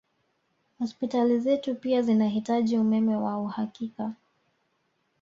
Hospitali zetu pia zinahitaji umeme wa uhakika